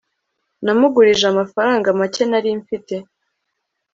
namugurije amafaranga make nari mfite